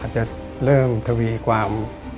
อาจจะเริ่มถวีความ